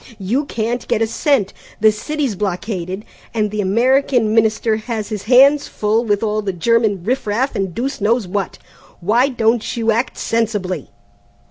You can't get a cent, the city's blockaded, and the American Minister has his hands full with all the German riff raff and deuce knows what! Why don't you act sensibly?"